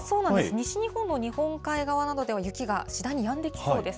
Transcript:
西日本の日本海側などでは雪が次第にやんできそうです。